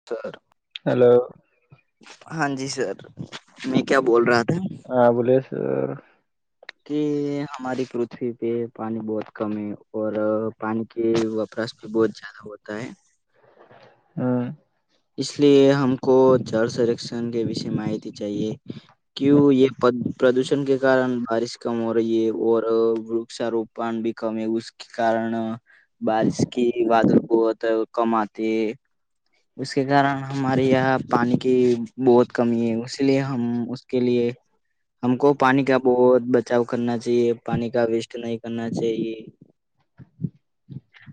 [unintelligible] હા, બોલીશ. તો. કે હમારી પૃથ્વી પે પાણી બહુત કમ હૈ, ઔર પાણી. કે વપરાશ ભી બહુત જ્યાદા હોતા હૈ. હમ, ઇસલીએ હમકો જળ સરેક્ષણ કે વિષ માહિતી ચાહિએ. ક્યુ યે પ્ર પ્રદૂષણ કે કારણ બારિશ કમ હો રહી હૈ ઔર, વૃક્ષા રોપણ ભી કમે ઉસકે કારણ બારિશ કે વાદળ બહુત, કમ આતે હે, ઉસકે કારણ હમારે યહાં પાણી કી બહુત કમી ઇસલિએ હમ ઉસકે લીએ, હમકો પાણી કા બહુત બચાવ કરના ચાહિએ પાણી કા વેસ્ટ નહીં કર ચાહિએ,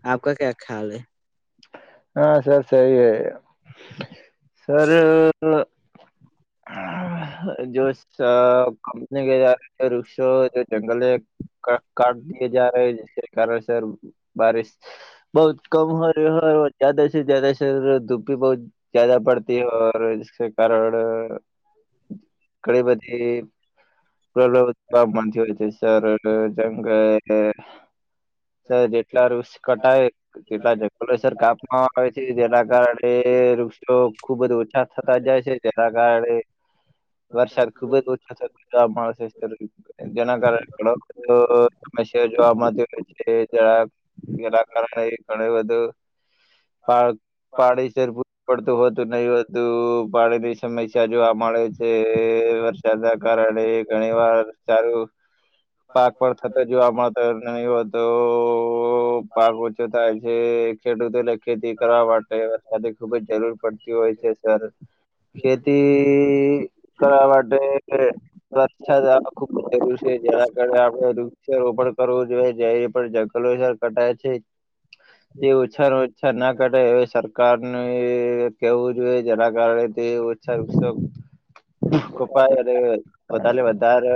આપકા ક્યા ખ્યાલ હૈ. હા સર સહી હૈ, સર, હ તો જોશ, સ કંપની ક [unintelligible] વૃક્ષો કે જંગલ એક, કાટ કાટ દિએ જા રહે હૈ જીસકે કારણ સર બારિશ, બહુત કમ હોયો હોય જ્યાદા સે જ્યાદા, સર ધૂપ બહુત ભી બહુત જ્યાદા પડતી ઔર જિસકે કે કારણ, ઘણી બધી, પ્રલોઉત્ મથી હો છે સરાર જંગ, [unintelligible] સર જેટલા વૃક્ષ કટાય તેટલા જંગલો સર કાપવામાં આવે છે જેના કારણે, તે વૃક્ષો ખુબ જ ઓછા થતા જાય છે જેના કારણે, વરસાદ ખુબ જ ઓછો થ માણસ [unintelligible] જેના કારણે, તો સમસ્યા જોવા મળતી હોય છે જરાક, એના કારણે ઘણું બધું, પાણી શર ખૂબ પડતું હોતું નહિતું પાણીની સમસ્યા જો આ, મળે છે વરસાદના કારણે ઘણી વાર સારું, પાક પર થતો જોવા મળતો નહી હો તો પાક ઓછો થાય છે. ખેડૂતોને ખેતી કરવા માટેે, અને ખુબ જ જરૂર પડતી હોય છે સર ખેતી, કરવા માટે વરછાદ આવ ખૂબ છે જેના કાર આપડે વૃક્ષા રોપણ કરવો જોઈએ, જ્યા પણ જંગલો કટાય છે, તે ઓછા ઓછાર ના કટાયે એ સારું. કારણે કેવું જોઈએ જેના કારણે તે ઓછા [unintelligible] વૃક્ષ કપાયે એટલે વધા લે વધારે,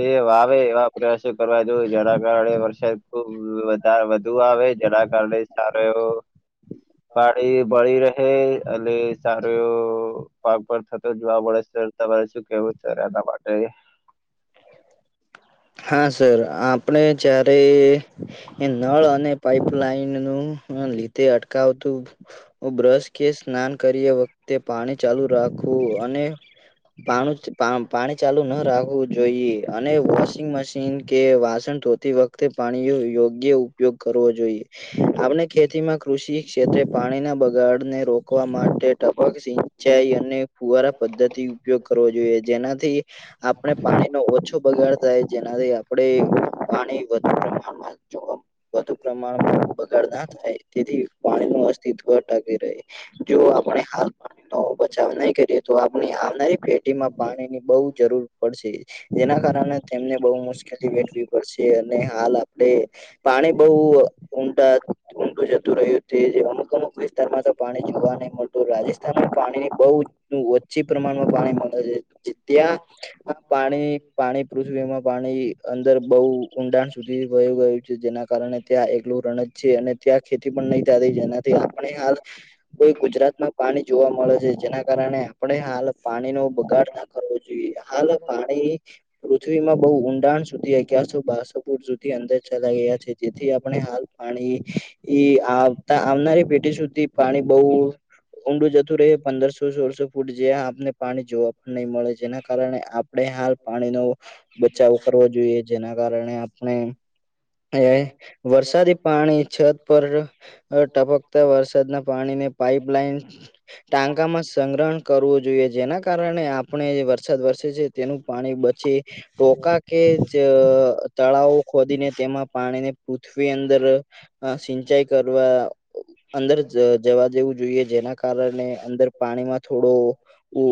એ વાવે એવા પ્રયાસો કરવા જો જેના કારણે વરસાદ, વધારે વધુ આવે જેના કારણે સારો એવો, પાણી બળી રહે અને સાર તો પાક પર થતો જોવા મળે છે તમારે શું કેવું છે એના માટે, હા સર આપણે જ્યારે, એ નળ અને પાઈપલાઇન નું લીધે અટકાવતું, બ્રશ કે સ્નાન કરીએ વખતે પાણી ચાલુ રાખું અને, પા પાણી ચાલુ ના રાખવું જોઈએ અને વોશિંગ મશીન મશીન કે વાસણ ધોતી વખતે પાણી ન યોગ્ય ઉપયોગ કરવો જોઈએ આપણે, ખેતીમાં કૃષિ ક્ષેત્રે પાણીના બગાડને રોકવા માટે ટપક સિ ચાઈ અને ફુવારા પદ્ધતિ ઉપયોગ કરવો જોઈએ જેનાથી, આપણે પાણી નો ઓછો બગાડ, થાય જેનાથી આપણે પાણી વધુ પ્રમાણમાં જોવા, વધુ પ્રમાણ બગાડ ના થાય તેથી પાણી નુ અસ્તિત્વ ટકી રહે, જો આપણે હા. તો બચાવ નહી કરીએ તો, આપણી આવનારી પેઢી માં પાણી ની બહુ જરૂર પડશે. જેના કારણે તેમને બહુ મુશ્કેલી વેઠવી પડશે, અને હાલ આપે પાણી બહુ ઊંડા ઊંડું જતું રહ્યું, તે જોવાનું અમુક વિસ્તારમાં તો પાણી જોવા નહી મળતું, રાજસ્થાનમાં પાણીની બહુ બહુ ઓછી પ્રમાણમાં પાણી મલે છે, જે ત્યાં આ પાણી પાણી પૃથ્વીમાં પાણી અંદર બહુ ઊંડા સુધી વઇ ગયું છે, જેના કારણે ત્યાં એકલું રણ જ છે, અને ત્યાં ખેતી પણ નહી થતી, જેનાથી આપણે હાલ કોઈ ગુજરાતમાં પાણી જોવા મળે છે, જેના કારણે આપણે હાલ પાણી નો બગાડ ના કરવો જોઈએ, હાલ પાણી પૃથ્વીમાં બહુ ઊંડાણ સુધી અગિયારસો બસો ફૂટ સુધી અંદર ચલા ગયા છે, તેથી આપણે હાલ પાણી એ આવતા, આવનારી પેઢી સુધી પાણી બહુ ઊંડું જતું રહે, પદર દસ સોળસો ફૂટ જે આપને પાણી જોવા પણ નહીં મળે, જેના કારણે આપણે હાલ પાણીનો બચાવો કરવો જોઈએ, જેના કારણે આપણે એ વરસાદી પાણી છત પર. અ ટપકતા વરસાદના પાણીને પાઈપલાઇન. ટાંકામાં સંગ્રહણ કરવું જોઈએ, જેના કારણે આપણે એ વરસાદ વરસે છે. તેનું પાણી બચી ટોકા કે, જ તળાવો ખોદીને. જેમાં પાણી ને પૃથ્વી અંદર અ સિંચાઈ કરવા અંદર જવા દેવું જોઈએ, જેના કારણે અંદર પાણીમાં થોડો ઉ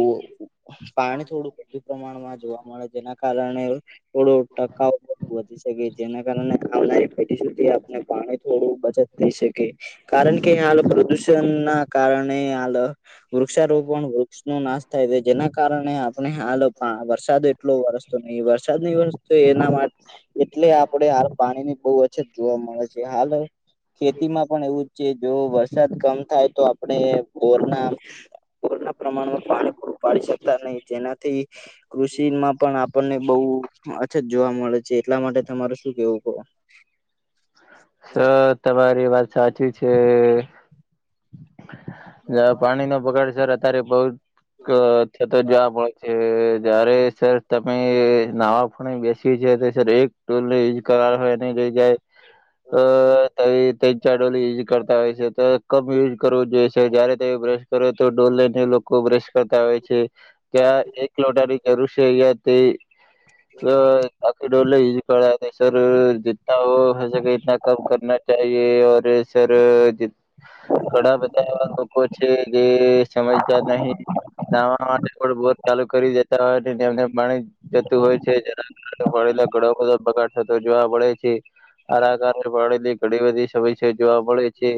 પાણી થોડું વધુ પ્રમાણમાં જોવા મળે, જેના કારણે થોડો ટકાઉ વધી શકે, જેના કારણે આવનારી પેઢી સુધી આપણે પાણી થોડું બચત થઈ શકે, કારણ કે હાલ પ્રદુષણ ના કારણે હાલ વૃક્ષારોપણ પણ વૃક્ષ નો નાશ થાય છે, જેના કારણે આપણે હાલ પાણી વરસાદ એ એટલો વરસતો નહી, વરસાદ નહી વરસ તો એના માટે એટલે આ તાર પાણી ની બહુ અછત જોવા મળે છે હાલ. ખેતીમાં પણ એવું જ છે, જો વરસાદ કમ થાય તો, આપડે બોરના બોર ના પ્રમાણમાં પાણી પૂરું પાડી શકતા નહી, જેનાથી કૃષિ માં પણ આપ આપણને બઉ અછત જોવા મળે છે, એટલા માટે તમારે શું કેવું છે? સર તમારી વાત સાચી છે. જ્યાં પાણી નો બગાડ સર અત્યારે બઉ ક થતો જોવા મળે. તે જયારે સર તમે નાવા પણે બેસી જ તો સર એક તોલે ઇજ કર હોય ને જાય, અ તો એ તઈણ ચાર ડોલ યુઝ કરતા હોય છે, તો કમ યુઝ કરવો જોઈએ છે, જયારે તે બ્રશ કરો છો, ડોલ ને લોકો ખુબ રસ કરતા હોય છે. ક્યાં એક લોટાની જરૂર છે, અયાં તે અ આખી ડોલ ને, યુઝ કરા તે, સર જીતા હો. હો શકે, ઇતના કમ કરના ચાહીયે ઓર સર જી. ઘણા બધા એવા લોકો છે, જે સમજદાર નહીં. નાવા માટે થોડું બોર ચાલુ કરી દેતા હોઈ ને, તેમને પાણી જતું હોય છે, જેના કારણે વેલા ઘણો બધો બગાડ થતો જોવા મળે છે. આના કારણે પાણી ની ઘણી બધી સમસ્યા જોવા મળે છે.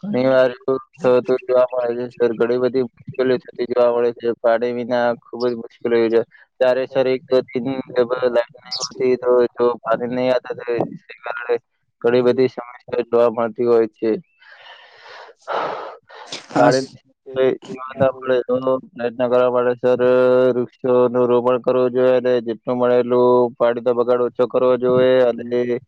ઘણી વાર તો થતું જોવા. મળે છે, સર ઘણી બધી મુશ્કેલી થતી જોવા મળે છે, પાણી વીના ખુબ જ મુશ્કેલી છે. ત્યારે સર એક તન જ લાઇટ નહી હોતી, તો જો પાણી નહી આતી. તે કારણે ઘણી બધી સમસ્યા જોવા મળતી. મળતી હોય છે, હા પાડે તો એ માંદા પડે તો પ્રયત્ન કરવો પડે, સર વૃક્ષો નું રોપણ કરવું જોઈએ ને. જેટલો મળે, એટલું પાણી નો બગાડ ઓછો કરવો જોઈએ, અને એ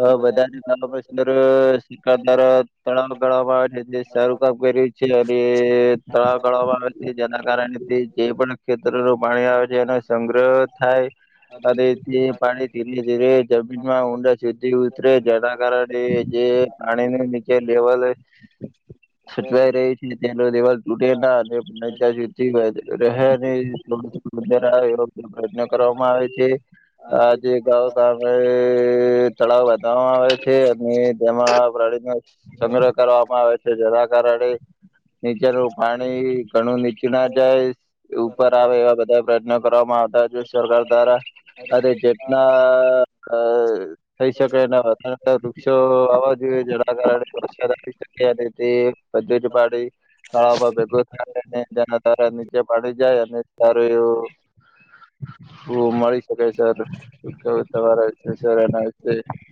અ બધાને ના પ્રસ [unintelligible] દ્વારા તળાવ ગાળવામાં આવે છે, જે શારું કામ કર્યું છે, અને તળાવ ગાળવામાં આવે. જેના કારણે જે પણ ખેતરો ન પાણી આવે છે, એનો સંગ્રહ થાય. અને જે પાણી ધીર-ધીરે જમીનમાં ઊંડા સીધી ઉતરે, જેના કારણે જે પાણી ન નીચે લેવલ હ [unintelligible] સચવાઈ રહી છે, ત્યાંનો દેવાલ તૂટે ના અને ત્યાં સુ દરા યોગ્ય પ્રયત્ન કરવામાં આવે છે, આજે ગ ગામે તળાવ બાંધવામાં આવે છે, અને તેમાં પ્રણી સંગ્રહ કરવામાં આવે છે, જેના કારણે નીચેનું પાણી ઘણું નીચું ના જાય. ઉપર આવે, એવા બધા પ્રયત્નો કરવામાં આવે. સરકાર દ્વારા આ જેટના થઈ શકે ન વૃક્ષો આવવા જોઈએ, જેના કારણે શકે અને તે ભ [unintelligible] પાડીે તાળાવમાં ભેગું થાય, તેના દ્વારા નીચે પાડી જાય, અને સારું એવું મળી શકાય, સર. રા [unintelligible] હ [unintelligible]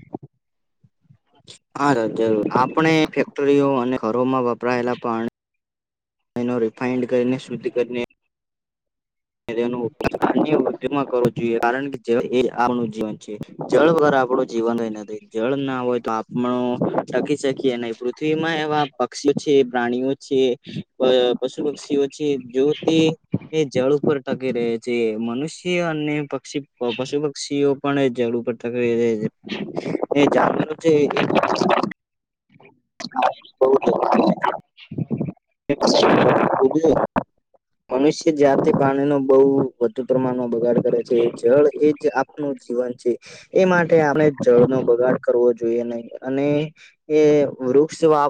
હા, જર આપણે ફેક્ટરીઓ અને ઘરોમાંપ વપરાયેલા પાણી રિફાઈન્ડ કરીને, શુદ્ધ કરીને ગ અન્ય વૃ્ધમાં કરવો જોઈએ, કારણ કે એ આપનું જીવન છે. જળ વગર આપણું જીવન હોય નથી, જળ ના હોય તો, આપણું ટકી શકીએ નહીં, પૃથ્વીમાં એવા પક્ષીઓ છે, પ્રાણીઓ છે, અ પશુ પક્ષીઓ છે, જોથી એ જળ ઉપર ટકી રહે છે, મનુષ્ય અને પક્ષી પશુ-પક્ષીઓ પણ ઝડું ઉપતા છે, એ ચર છે [inaudible] [unintelligible] બઉ તો [unintelligible] [unintelligible] જ [unintelligible] મનુષ્ય જ્યાંથી પાણીનો બહુ વધુ પ્રમાણનો બગાડ કરે છે, એ જળ એ જ જીવન છે, એ માટે આપણે જળ નો બગાડ કરવો જોઈએ નહી, અને કે વૃક્ષ વા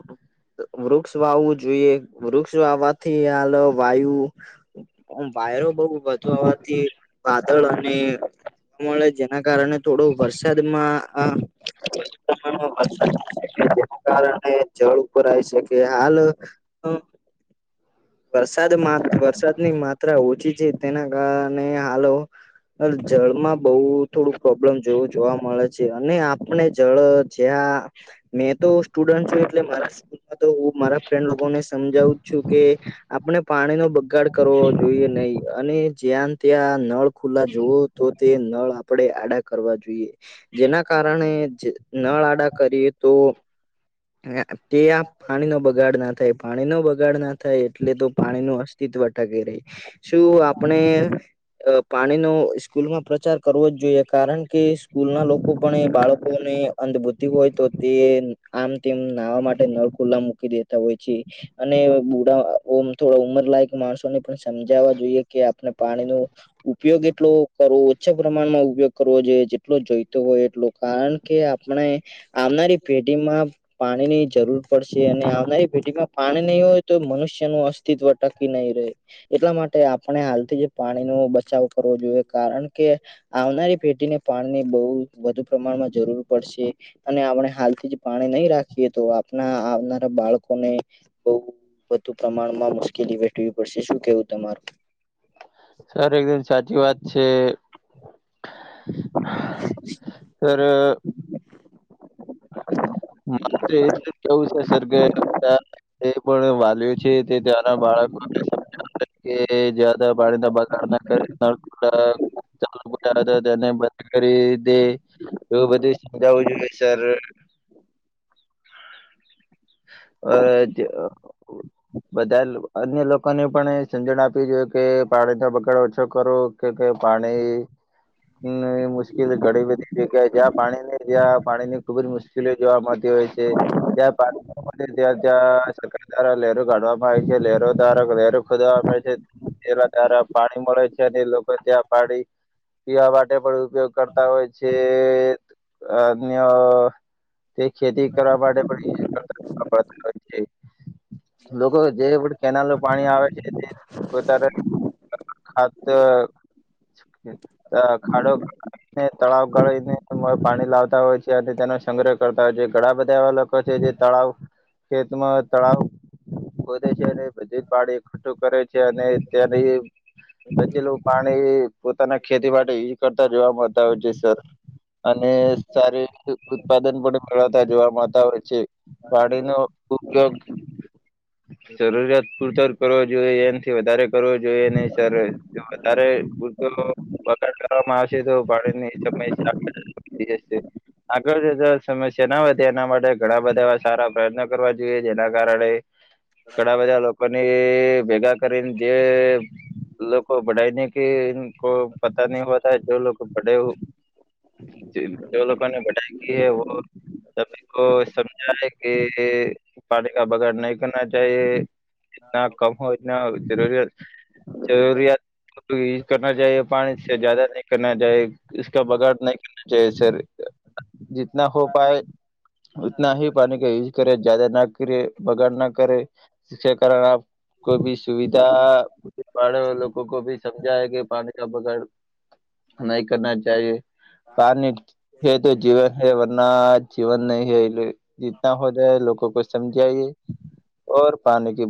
વૃક્ષ વાવવું જોઈએ. વૃક્ષો વાવથી, હાલ વાયુ વાયરો બઉ વધુ આવવાથી, વાતવરણ મળે જેના કારણે થોડો વરસાદમાં આ ર થ શકે જેના કારણે જળ ઉપર આવી [unintelligible] શકે હાલ [unintelligible] વરસાદ મા વરસાદ ની મા ઓછી છે, તેના કારણે હાલો જળમાં બહુ થોડું પ્રોબ્લેમ જોવું જોવા મળે છે, અને આપણે જળ જ્યાં મેં તો સ્ટુડન્ટ છું એટલે મારા સ્કૂલમાં તો હું મારા ફ્રેન્ડ લોકોને સમજાવું છું કે આપણે પાણી નો બગાડ કરવો જોઈએ નહી અને જ્યાં ને ત્યાં નળ ખુલ્લા જુવઓ તો તે નળ આપણેે આડા કરવા જોઈએ. જેના કારણે નળ આડા કરીએ તો તે આમ પાણી નો બગાડ ના થાય પાણી નો બગાડ ના થાય એટલે તો પાણી નું અસ્તિત્વ ટકી રહી. શું આપણે પાણી નુ સ્કૂલમાં પ્રચાર કરવો જ જોઈએ કારણ કે સ્કૂલ ના લોકો પણ બાળકોને અંધભૂત તી હોય તો તે આમ તેમ નાહવા માટે નળ ખુલ્લા મૂકી દેતા હોય છે. અને બુડા ઓમ થોડા ઉમર લાયક માણસોને પણ સમજાવવા જોઈએ કે આપણે પાણી નો ઉપયોગ એટલો કરવો ઑચ્છા પ્રમાણમાં ઉપયોગ કરવો જોઈએ જેટલો જોઈતો હોય એટલો કારણ કે આપણે. આવનારી પેઢીમાં પાણીની જરૂર પડશે અને આવનારી પેઢીમાં પાણી નહી હોય તો મનુષ્ય નુ અસ્તિત્વ ટકી નહીં રહે. એટલા માટે આપણે હાલથી જે પાણી નો બચાવ કરવો જોઈએ. કારણ કે આવનારી પેઢીને પાણીની બહુ વધુ પ્રમાણમાં જરૂર પડશે. અને આપણે હાલથી જ પાણી નહી રાખીએ તો આપણા આવનારા બાળકોને.. બઉ વધુ પ્રમાણમાં મુશ્કેલી વેઠવી પડશે શું કેવું તમારું? સર એકદમ સાચી વાત છે. સર, મારે તો એટલું જ કેવું છે સર કે બધા તે પણ વાલીઓ છે તે ત્યાંના બાળક માટે સમ [unintelligible] મકે જ્યાદા પાણી ના બગાડ ના કરે નળ ખુલ્લા, હતા તેને બંધ કરી દે એવું બધું સમજાવું જોઈએ, [unintelligible] સર, અ જ બધા અન્ય લોકોને પણ સમજણ આપવી જોઈએ કે પાણીનો બગડો ઓછો કરવો, કેઈ પાણીની મુશ્કેલી ઘણી બધી જગ્યાએ જ્યાં પાણી ની જ્યાં પાણી ની ખુબજ મુશ્કેલી જોવા મળતી હોય છે ત્યાંર બાદ, ત્યાં જ્યાં સરકાર દ્વારા લહેર કાઢવામાં આવે છે લહેરો દ્વારા લહેર ખોદવામાં આવે છે. પેલા દારા પાણી મળે છે અને એ લોકો ત્યાં પાણી પીવા માટે પણ, ઉપયોગ કરતા હોય છે અ, તે ખેતી કરવા માટે પણ [unintelligible] હોય છે. લોકો જેરે પડ, કેનાલો પાણી આવે છે [unintelligible] પો ખાતર, ખાડોને [inaudible] તળાવ ગળીને પાણી લાવ તા હોય છે અને તેનો સંગ્રહ કરતા હોય છે ઘણા બધા એવા લોકો છે જે તળાવ, ખેતમાં તળાવ. ખોદે છે અને બધું જ પાડી એકઠઠું કરે છે અને ત્યારે એ બચેલું, પાણી પોતાના ખેતી માટે યુ કરતા જોવા મળતા હોય છે, સર અને, સારી ઉત્પાદન પણ મેળવતા જોવા મળતા હોય છે પાણીનો ઉપયોગ, જરૂરિયાત પુરતો કરવો જોઈએ એનાથી વધારે કરવો જોઈએ નહીં સર વધારે, પૂરતો પકડ કરવામાં આવશે તો ભાડેની સમસ્યા વધી જશે. આગળ જતા સમસ્યા ના વધે એના માટે ઘણા બધા એવા સારા પ્રયત્નો કરવા જોઈએ જેના કારણે, ઘડા બધા લોકોની ભેગા કરીને જે. લોકો બઢઇને કે ઈનકો પતા નહી હોતા હે, જો લોકો બડે, [unintelligible] જે લોકોને બટઇ ક હૈ [inaudible] [unintelligible] તમે કો સમજાય કે પાણી કા બગાડને કરના ચાહીએ જીતના કમ હોતના જરૂરિયાત જરૂરિયાત. [unintelligible] યુ કરના ચાએ પાણી જદા નં કરના ચકા બગાડ નહી [unintelligible] જયસ જીતના હો પાય. ઉતના હી પાણી કા યુઝ કરે જાદા ના કરે બગડ ના કરે. શિક્ષા કારણ આપ કોઈ ભી સુવિધા. પડે લોકો કો ભી સમજા કે પાણી ક બગાડ નહી કરના ચાએ [unintelligible] પાનિ હે તો જીવન હે વરના જીવન નહી હૈ એ જીતના હો જાય લોકોગો કો સમજ્યાએ ઓર પાણી કી